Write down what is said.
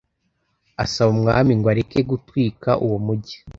Asaba umwami ngo areke gutwika uwo mujyi